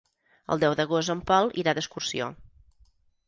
El deu d'agost en Pol irà d'excursió.